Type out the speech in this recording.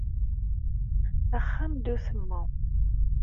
Axxam d utemmu